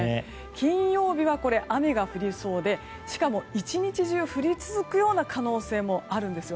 金曜日は雨が降りそうでしかも１日中降り続くような可能性もあるんです。